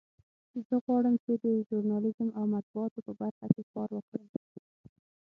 زه غواړم چې د ژورنالیزم او مطبوعاتو په برخه کې کار وکړم